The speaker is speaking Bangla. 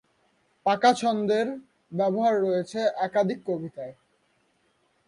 পাকা ছন্দের ব্যবহার রয়েছে একাধিক কবিতায়।